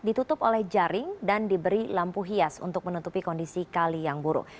ditutup oleh jaring dan diberi lampu hias untuk menutupi kondisi kali yang buruk